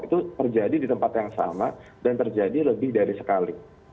itu terjadi di tempat yang sama dan terjadi lebih dari sekali